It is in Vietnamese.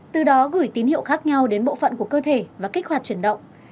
từ đó gửi tín hiệu khác nhau đến bộ phận của cơ thể và kích hoạt chuyển động